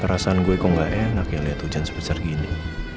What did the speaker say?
perasaan gue kok gak enak ya lihat hujan sebesar gini